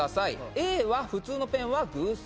Ａは普通のペンは偶数。